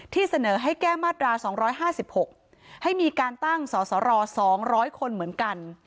เสนอให้แก้มาตรา๒๕๖ให้มีการตั้งสสร๒๐๐คนเหมือนกัน